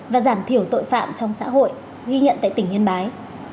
và giảm thiểu tội phạm trong xã hội ghi nhận tại tỉnh yên bái